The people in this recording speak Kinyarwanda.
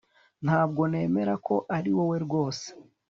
Ntabwo nemera ko ariwowe rwose